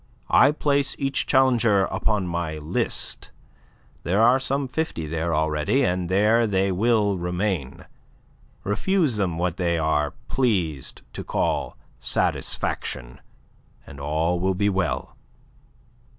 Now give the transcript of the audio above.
I place each challenger upon my list. There are some fifty there already, and there they will remain. Refuse them what they are pleased to call satisfaction, and all will be well."